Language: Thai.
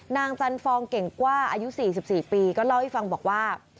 จันฟองเก่งกล้าอายุ๔๔ปีก็เล่าให้ฟังบอกว่า